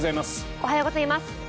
おはようございます。